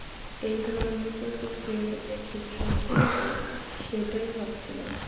এই ধরণের কুকুরকে রেখেছো কীভাবে সেটাই ভাবছিলাম।